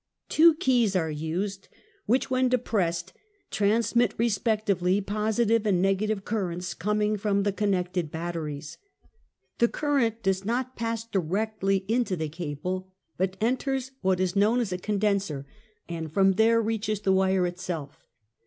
Two keys are used, which, when depressed, transmit respectively positive and negative currents coming from the connected batteries. The current does not pass directly into the cable, but enters what is known as a condenser, and from there reaches the wire itself.